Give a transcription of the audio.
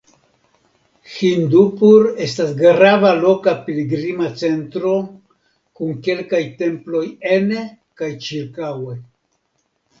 Hindupur estas grava loka pilgrima centro kun kelkaj temploj ene kaj ĉirkaŭe.